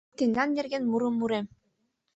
Тендан нерген мурым мурем!